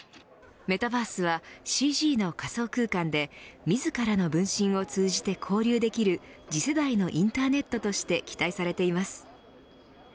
メタバースはＣＧの仮想空間で自らの分身を通じて交流できる次世代のインターネットとして期待されています。